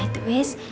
nah itu is